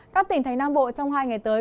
các tỉnh thành nam bộ trong hai ngày tới